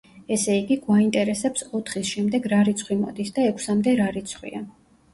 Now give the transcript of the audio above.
ესე იგი, გვაინტერესებს ოთხის შემდეგ რა რიცხვი მოდის და ექვსამდე რა რიცხვია.